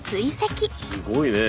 すごいね。